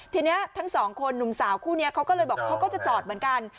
ทีนี้ทั้งสองคนหนุ่มสาวคู่นี้เขาก็เลยบอกเขาก็จะจอดเหมือนกัน